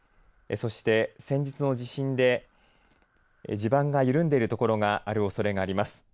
そして先日の地震で地盤が緩んでいる所があるおそれがあります。